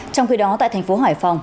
trong khi đó tại thành phố hải phòng